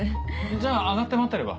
じゃあ上がって待ってれば？